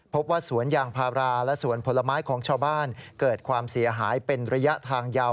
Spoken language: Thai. พบว่าสวนยางพาราและสวนผลไม้ของชาวบ้านเกิดความเสียหายเป็นระยะทางยาว